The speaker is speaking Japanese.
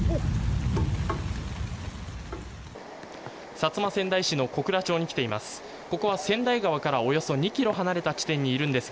薩摩川内市の小倉町に来ています。